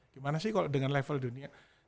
gimana sih kalau dengan level dunia